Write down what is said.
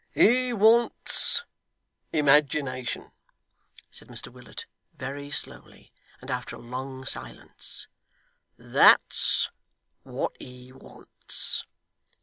'He wants imagination,' said Mr Willet, very slowly, and after a long silence; 'that's what he wants.